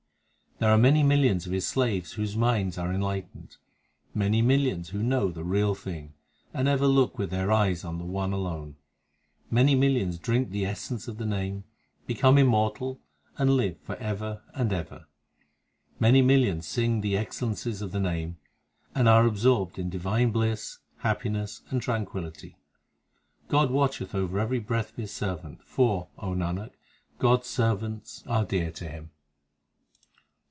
8 There are many millions of His slaves Whose minds are enlightened ; Many millions who know the Real Thing, And ever look with their eyes on the One alone ; Many millions drink the essence of the Name, Become immortal, and live for ever and ever ; Many millions sing the excellences of the Name, And are absorbed in divine bliss, happiness, and tran quillity. God watcheth over every breath of His servant, For, O Nanak, God s servants are dear to Him.